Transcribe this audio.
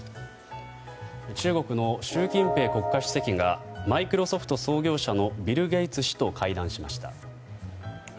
中国の習近平国家主席がマイクロソフト創業者のビル・ゲイツ氏と会談しました。